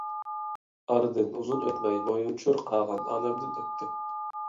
ئارىدىن ئۇزۇن ئۆتمەي مويۇنچۇر قاغان ئالەمدىن ئۆتتى.